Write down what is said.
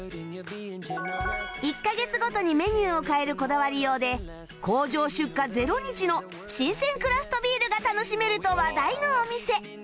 １カ月ごとにメニューを変えるこだわりようで工場出荷０日の新鮮クラフトビールが楽しめると話題のお店